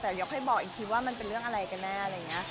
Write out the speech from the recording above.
แต่เดี๋ยวค่อยบอกอีกทีว่ามันเป็นเรื่องอะไรกันแล้ว